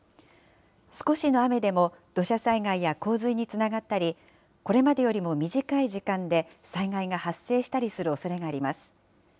少しの雨でも土砂災害や洪水につながったり、これまでよりも短い時間で災害が発生したりするおそれがあります。